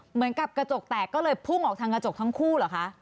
เหมือนกับกระจกแตกก็เลยพุ่งออกทางกระจกทั้งคู่เหรอคะ